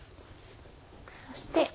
そして。